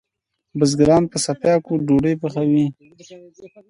بزګران په څپیاکو ډوډئ پخوی